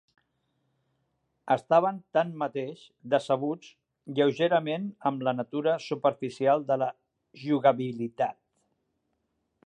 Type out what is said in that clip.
Estaven, tanmateix, decebuts lleugerament amb la natura superficial de la jugabilitat.